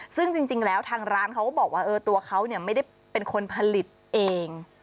ซึ่งจริงแล้วทางร้านเขาก็บอกว่าตัวเขาไม่ได้เป็นคนผลิตเอง